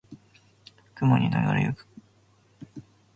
空にながれ行く雲と空翔ける竜。能書（すぐれた筆跡）の形容。